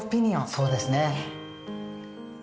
そうですね。